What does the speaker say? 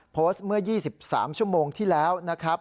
โพสต์เมื่อ๒๓ชั่วโมงที่แล้วนะครับ